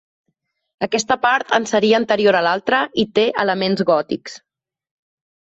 Aquesta part en seria anterior a l'altra, i té elements gòtics.